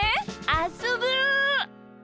あっそぶ！